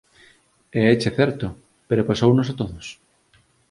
E éche certo, pero pasounos a todos.